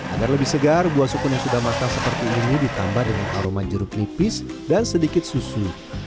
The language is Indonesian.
agar lebih segar buah sukun yang sudah matang seperti ini ditambah dengan aroma jeruk nipis dan sedikit susu